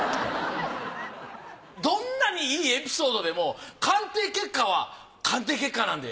どんなにいいエピソードでも鑑定結果は鑑定結果なんで。